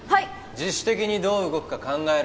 自主的にどう動くか考える